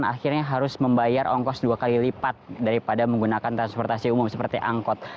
akhirnya harus membayar ongkos dua kali lipat daripada menggunakan transportasi umum seperti angkot